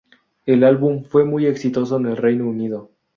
El álbum fue muy exitoso en el Reino Unido.